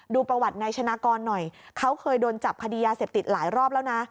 ดูประวัตินายชนะกรหน่อยเขาเคยโดนจับคดียาเสพติดหลายรอบแล้วนะ